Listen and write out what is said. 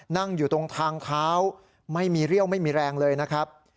นั่งอยู่ตรงทางเท้าไม่มีเรี่ยวไม่มีแรงเลยนะครับ